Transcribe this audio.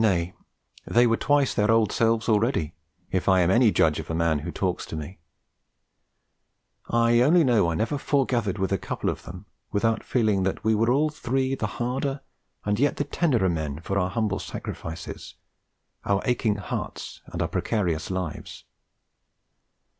Nay, they were twice their old selves already, if I am any judge of a man who talks to me. I only know I never foregathered with a couple of them without feeling that we were all three the harder and yet the tenderer men for our humble sacrifices, our aching hearts and our precarious lives.